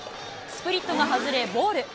スプリットが外れ、ボール。